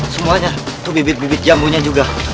semuanya itu bibit bibit jambunya juga